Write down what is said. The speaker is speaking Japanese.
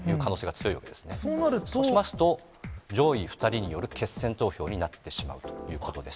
そうしますと、上位２人による決選投票になってしまうということです。